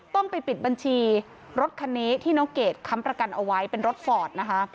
ต้องไปปิดบัญชีรถคันนี้ที่น้องเกดค้ำประกันเอาไว้เป็นรถฟอร์ดนะคะ